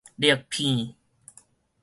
綠片